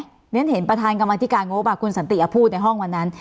เพราะฉะนั้นเห็นประธานกรรมธิการงบคุณสันติพูดในห้องวันนั้น